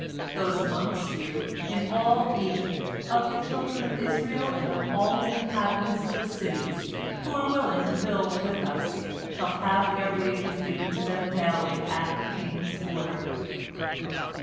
Those amongst you in all Egypt, of the children of Israel and of all the inhabitants of the cities, who are willing to build with us, shall have their wages given to them daily at the king's order.'